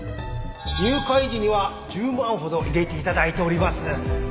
入会時には１０万ほど入れて頂いております。